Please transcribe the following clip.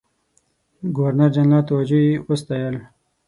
د ګورنرجنرال توجه یې وستایل.